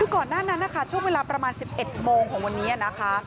คือก่อนหน้านั้นนะคะช่วงเวลาประมาณ๑๑โมงของวันนี้นะคะ